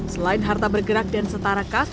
selain harta bergerak dan setara khas